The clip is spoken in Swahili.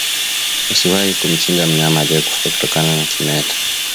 Usiwahi kumchinja mnyama aliyekufa kutokana na kimeta